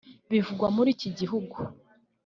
bivugwa muri iki gihugu